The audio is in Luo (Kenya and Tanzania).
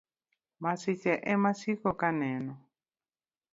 Masiche emaasiko kaneno.